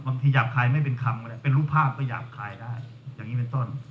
หยาบคายไม่เป็นคำอะไรไปรู้ภาพก็หยาบคายได้อย่างนี้เป็นต้น